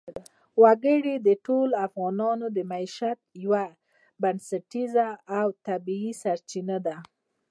وګړي د ټولو افغانانو د معیشت یوه بنسټیزه او طبیعي سرچینه ده.